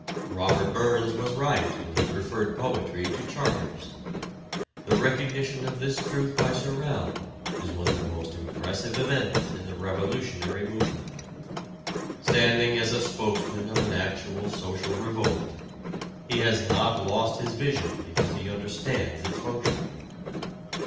Robert Burns was right when he preferred poetry to charters. The recognition of this truth by Sorel is one of the most impressive events in the revolutionary movement. Standing as a spokesman of an actual social revolt, he has not lost his vision because he understands its function.